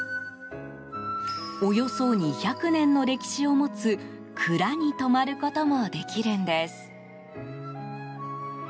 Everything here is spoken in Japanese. およそ２００年の歴史を持つ蔵に泊まることもできるんです。